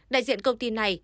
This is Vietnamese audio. đại diện công ty này